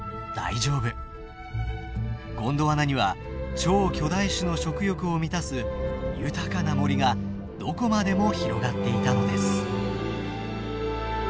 ゴンドワナには超巨大種の食欲を満たす豊かな森がどこまでも広がっていたのです。